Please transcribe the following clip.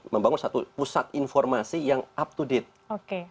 membangun satu pusat informasi yang up to date